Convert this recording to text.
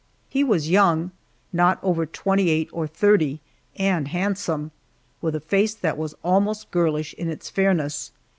He was young not over twenty eight or thirty and handsome, with a face that was almost girlish in its fairness.